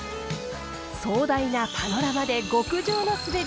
壮大なパノラマで極上の滑り！